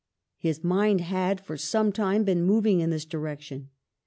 His mind had for some time been moving in this direction.